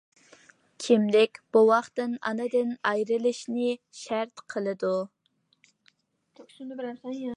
كىملىك بوۋاقنىڭ ئانىدىن ئايرىلىشىنى شەرت قىلىدۇ.